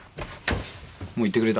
もう行ってくれた？